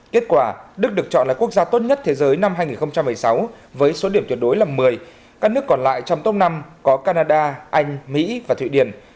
kết quả đức được chọn là quốc gia tốt nhất thế giới năm hai nghìn một mươi sáu với số điểm tuyệt đối là một mươi các nước còn lại trong top năm có canada anh mỹ và thụy điển